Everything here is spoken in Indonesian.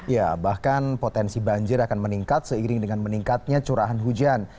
ya bahkan potensi banjir akan meningkat seiring dengan meningkatnya curahan hujan